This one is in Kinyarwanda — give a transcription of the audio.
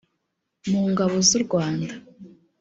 mu ngabo z u rwanda